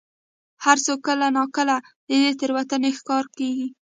هر څوک کله نا کله د دې تېروتنې ښکار کېږي.